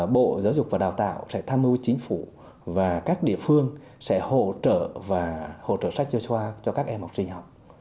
bộ giáo dục và đào tạo sẽ tham mưu chính phủ và các địa phương sẽ hỗ trợ sách giáo khoa cho các em học sinh học